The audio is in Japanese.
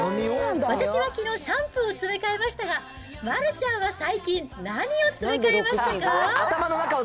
私はきのう、シャンプーを詰め替えましたが、丸ちゃんは最近、何を詰め替えましたか？